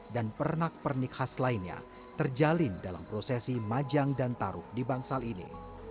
dan pernak pernik khas lainnya terjalin dalam prosesi majang dan taruk di bangsal ini